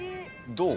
どう？